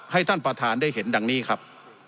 ให้ท่านประธานได้เห็นดังนี้ครับ